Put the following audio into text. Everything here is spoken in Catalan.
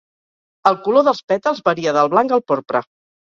El color dels pètals varia del blanc al porpra.